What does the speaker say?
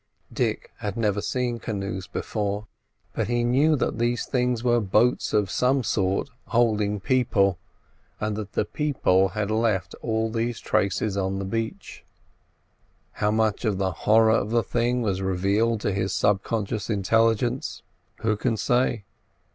Dick had never seen canoes before, but he knew that these things were boats of some sort holding people, and that the people had left all those traces on the beach. How much of the horror of the thing was revealed to his subconscious intelligence, who can say?